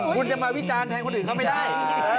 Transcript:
คุณจะมาวิจารณ์แทนคนอื่นเขาไม่ได้